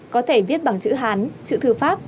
có thể viết bằng chữ hán chữ thư pháp